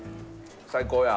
最高や。